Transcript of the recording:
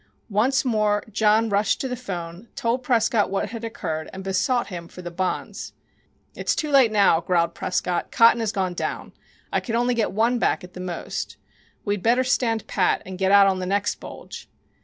Once more John rushed to the 'phone, told Prescott what had occurred and besought him for the bonds. "It's too late now," growled Prescott. "Cotton has gone down. I could only get one back at the most. We had better stand pat and get out on the next bulge."